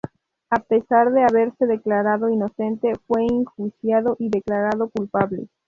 A pesar de haberse declarado inocente, fue enjuiciado y declarado culpable.